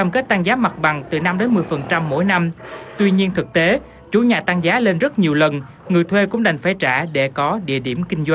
không có cao từ một mươi một mươi năm